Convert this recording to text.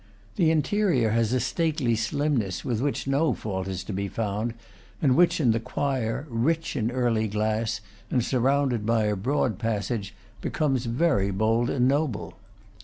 The interior has a stately slimness with which no fault is to be found, and which in the choir, rich in early glass and surrounded by a broad passage, becomes very bold and noble.